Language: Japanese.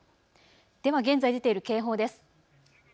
では現在出ている警報です。